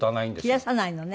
切らさないのね。